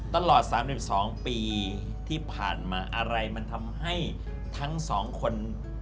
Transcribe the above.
ตลอด๓๒ปีที่ผ่านมาอะไรมันทำให้ทั้งสองคน